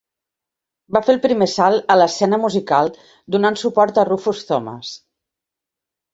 Va fer el primer salt a l'escena musical donant suport a Rufus Thomas.